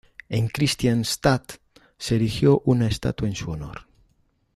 En Kristianstad se erigió una estatua en su honor.